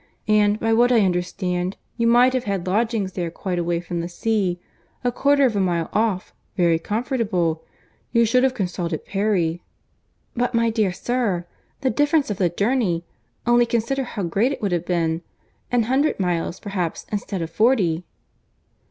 And, by what I understand, you might have had lodgings there quite away from the sea—a quarter of a mile off—very comfortable. You should have consulted Perry." "But, my dear sir, the difference of the journey;—only consider how great it would have been.—An hundred miles, perhaps, instead of forty."